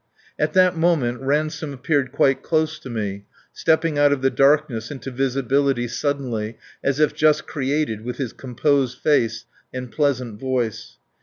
At that moment Ransome appeared quite close to me, stepping out of the darkness into visibility suddenly, as if just created with his composed face and pleasant voice.